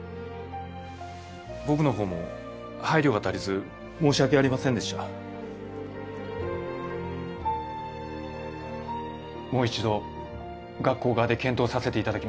僕のほうも配慮が足りず申し訳ありませんでした。もう一度学校側で検討させて頂きます。